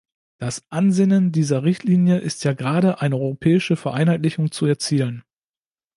Das Ansinnen dieser Richtlinie ist ja gerade, eine europäische Vereinheitlichung zu erzielen.